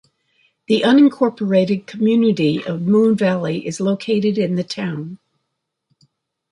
The unincorporated community of Moon Valley is located in the town.